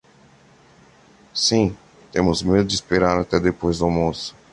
Sim, temos medo de esperar até depois do almoço.